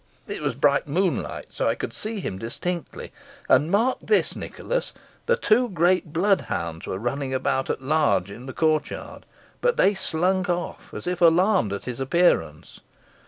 It was bright moonlight, so I could see him distinctly. And mark this, Nicholas the two great blood hounds were running about at large in the court yard, but they slunk off, as if alarmed at his appearance.